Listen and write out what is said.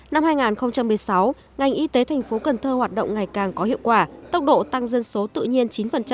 năm hai nghìn một mươi sáu ngành y tế thành phố cần thơ hoạt động ngày càng có hiệu quả tốc độ tăng dân số tự nhiên chín